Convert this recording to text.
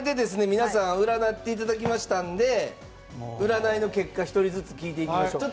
皆さん占って頂きましたんで占いの結果１人ずつ聞いていきましょう。